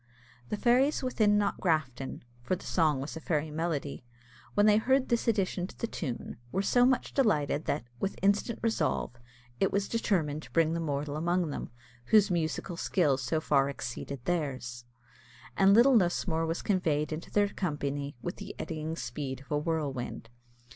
The fairies within Knockgrafton, for the song was a fairy melody, when they heard this addition to the tune, were so much delighted that, with instant resolve, it was determined to bring the mortal among them, whose musical skill so far exceeded theirs, and little Lusmore was conveyed into their company with the eddying speed of a whirlwind.